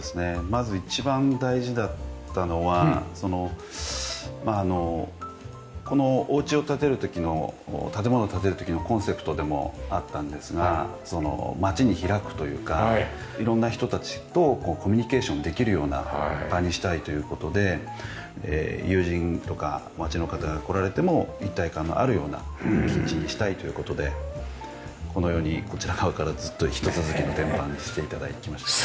まず一番大事だったのはまああのこのお家を建てる時の建物建てる時のコンセプトでもあったんですがその街に開くというか色んな人たちとコミュニケーションできるような場にしたいという事で友人とか街の方が来られても一体感のあるようなキッチンにしたいという事でこのようにこちら側からずっとひと続きの天板にして頂きました。